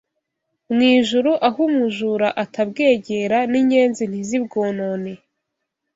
mu ijuru, aho umujura atabwegera, n’inyenzi ntizibwonone